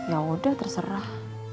ya udah terserah